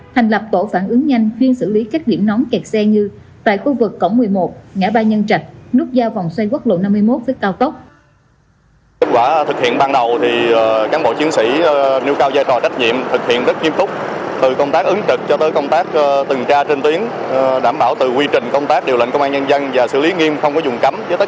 thành lập tổ phản ứng nhanh khuyên xử lý các điểm nóng kẹt xe như tại khu vực cổng một mươi một ngã ba nhân trạch núp giao vòng xoay quốc lộ năm mươi một với cao tốc